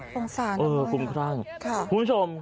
ภูมิตรร่างนี้ไหมค่ะภูมิตรร่างค่ะคุณผู้ชม